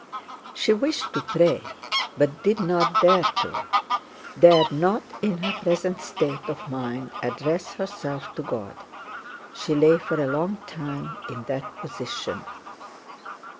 She wished to pray but did not dare to, dared not in her present state of mind address herself to God. She lay for a long time in that position.